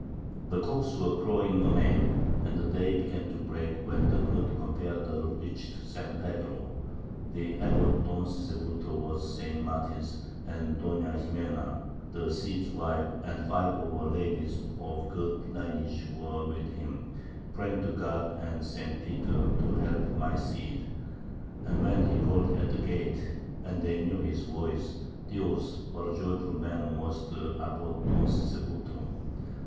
"The cocks were crowing amain, and the day began to break, when the good Campeador reached St. Pedro's. The Abbot Don Sisebuto was saying matins, and Doña Ximena (the Cid's wife) and five of her ladies of good lineage were with him, praying to God and St. Peter to help my Cid. And when he called at the gate and they knew his voice, Dios! what a joyful man was the Abbot Don Sisebuto!